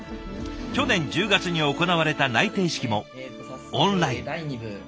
去年１０月に行われた内定式もオンライン。